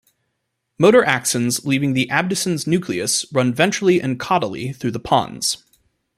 Motor axons leaving the abducens nucleus run ventrally and caudally through the pons.